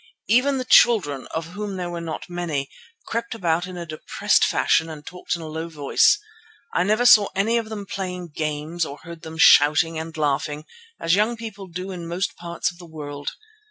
Even the children, of whom there were not many, crept about in a depressed fashion and talked in a low voice. I never saw any of them playing games or heard them shouting and laughing, as young people do in most parts of the world.